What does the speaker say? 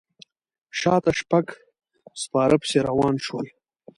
شاته شپږ سپاره پسې روان شول.